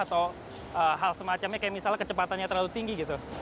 atau hal semacamnya kayak misalnya kecepatannya terlalu tinggi gitu